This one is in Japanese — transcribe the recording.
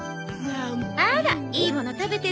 あらいいもの食べてるわね。